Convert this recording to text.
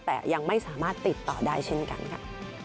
แต่ยังไม่สามารถติดต่อได้เช่นกันค่ะ